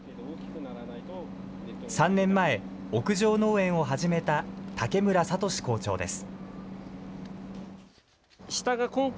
３年前、屋上農園を始めた竹村郷校長です。